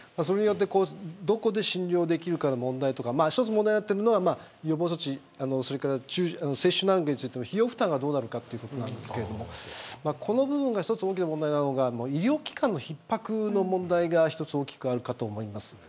それによってどこで診療できるかの問題とか一つ問題になっているのは予防措置、接種についても費用負担がどうなるかっていうことなんですけれどもこの部分が一つ大きな問題なのが医療機関の逼迫の問題が一つ大きくあるかと思います。